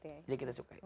tidak kita sukai